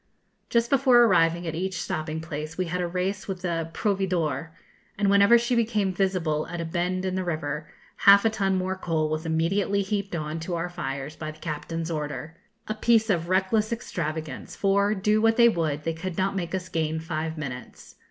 Just before arriving at each stopping place, we had a race with the 'Proveedor,' and whenever she became visible at a bend in the river, half a ton more coal was immediately heaped on to our fires by the captain's order a piece of reckless extravagance, for, do what they would, they could not make us gain five minutes.